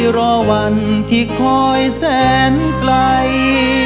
รอวันที่คอยแสนไกล